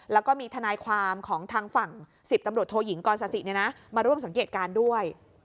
แล้วก็มีทนายความของทางฝั่ง๑๐ตำรวจโทยิงกรศสิมาร่วมสังเกตการณ์ด้วย